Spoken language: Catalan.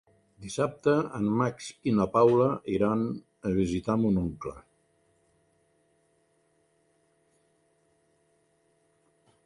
Dissabte en Max i na Paula iran a visitar mon oncle.